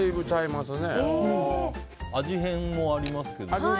味変もありますけど。